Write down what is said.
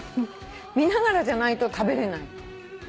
見ながらじゃないと食べれない。